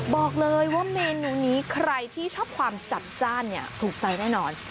บอกเลยว่าเมนูนี้ใครที่ชอบความจัดจ้านเนี่ยถูกใจแน่นอน